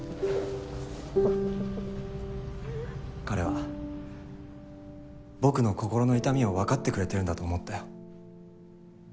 彼は僕の心の痛みをわかってくれてるんだと思ったよ。